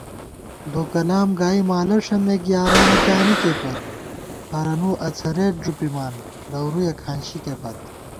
دوکلام گائی مالہ ݭَمېک، یارانہ پیانِکےپت * ہرَنُو اڅَھرېت ݫُپِمان لَورُیَہ کھانشِکےپت